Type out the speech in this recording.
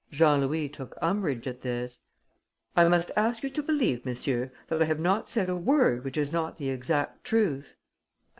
Jean Louis took umbrage at this: "I must ask you to believe, monsieur, that I have not said a word which is not the exact truth."